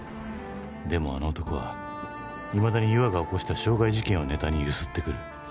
「でもあの男は未だに優愛が起こした傷害事件をネタに強請ってくる」